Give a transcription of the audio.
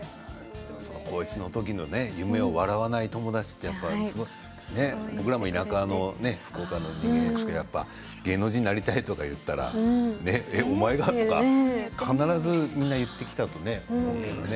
高１の時の夢を笑わない友達って、僕らも田舎の福岡の人間ですけど芸能人になりたいと言ったらお前が？とか、必ずみんな言ってきたと思うけどね。